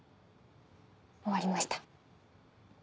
終わりました。